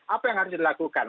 apa yang harus dilakukan